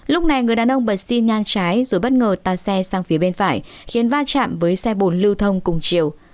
lúc này người đàn ông bật xin nhang trái rồi bất ngờ tan xe sang phía bên phải khiến va chạm với xe bồn lưu thông cùng chiều